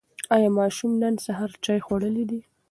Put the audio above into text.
ایا ماشومانو نن سهار چای خوړلی دی؟